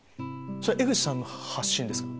江口さんの発信ですか？